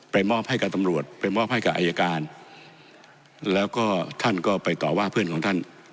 มอบให้กับตำรวจไปมอบให้กับอายการแล้วก็ท่านก็ไปต่อว่าเพื่อนของท่าน